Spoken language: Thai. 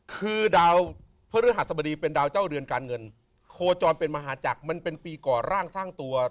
คือดาวพระฤหัสบดีเป็นดาวเจ้าเรือนการเงินโคจรเป็นมหาจักรมันเป็นปีก่อร่างสร้างตัว